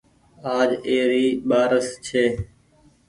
آج اي ري ٻآرس ڇي۔